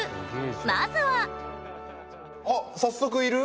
まずは早速いる？